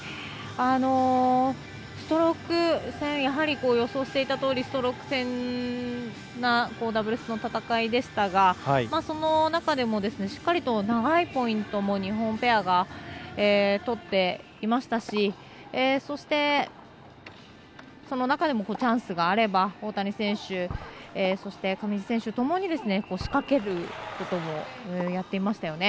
やはり予想していたとおりストローク戦なダブルスの戦いでしたがその中でもしっかりと長いポイントを日本ペアが取っていましたしそして、その中でもチャンスがあれば大谷選手、そして上地選手ともに仕掛けることもやっていましたよね。